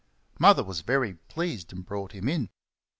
Mother was very pleased and brought him in.